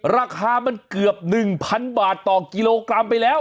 ราคามันเกือบ๑๐๐๐บาทต่อกิโลกรัมไปแล้ว